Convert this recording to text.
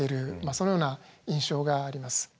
そのような印象があります。